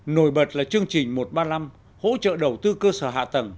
nổi bật là chương trình một trăm ba mươi năm hỗ trợ đầu tư cơ sở hạ tầng